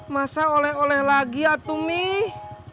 masa oleh oleh lagi ya tuh mih